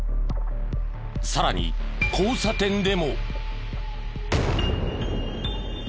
さらに交差点でも。